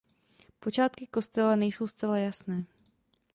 Počátky kostela nejsou zcela jasné.